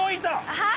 はい！